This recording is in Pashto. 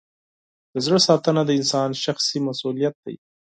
د زړه ساتنه د انسان شخصي مسؤلیت دی.